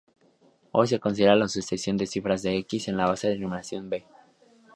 Consideremos la sucesión de cifras de "x" en la base de numeración "b".